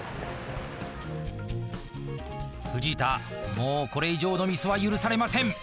もうこれ以上のミスは許されません。